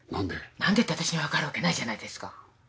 なんでって私にわかるわけないじゃないですか。